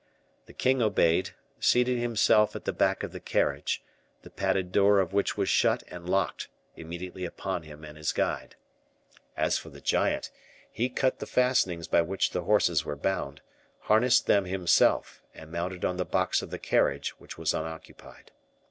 The king obeyed, seated himself at the back of the carriage, the padded door of which was shut and locked immediately upon him and his guide. As for the giant, he cut the fastenings by which the horses were bound, harnessed them himself, and mounted on the box of the carriage, which was unoccupied.